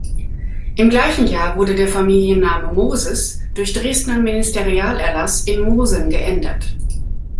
Im gleichen Jahr wurde der Familienname Moses durch Dresdner Ministerialerlass in Mosen geändert.